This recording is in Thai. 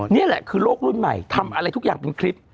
นี่แหละคือโลกรุ่นใหม่ทำอะไรทุกอย่างเป็นคลิป